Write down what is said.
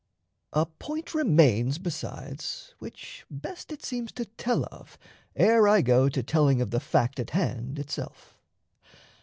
A point remains, besides, Which best it seems to tell of, ere I go To telling of the fact at hand itself.